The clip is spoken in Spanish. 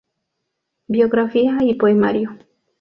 Biografía y Poemario".